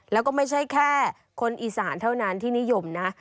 แล้วก็ไม่ใช่แค่คนอีสานเท่านั้นที่นิยมนะ